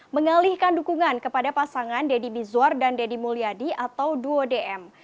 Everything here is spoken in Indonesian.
mengalihkan dukungan kepada pasangan deddy mizwar dan deddy mulyadi atau duo dm